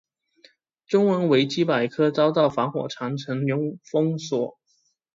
中文维基百科遭到防火长城封锁。